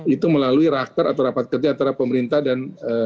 itu melalui raker atau rapat kerja antara pemerintah dan